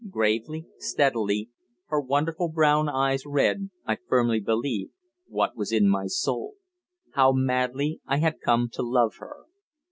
Gravely, steadily, her wonderful brown eyes read I firmly believe what was in my soul: how madly I had come to love her.